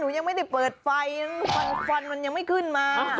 ยังไม่ได้เปิดไฟควันมันยังไม่ขึ้นมา